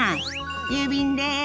郵便です。